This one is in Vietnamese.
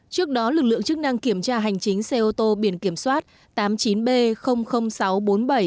trước đó lực lượng chức năng kiểm tra hành chính xe ô tô biển kiểm soát tám mươi chín b sáu mươi bốn b